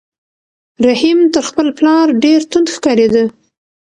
رحیم تر خپل پلار ډېر توند ښکارېده.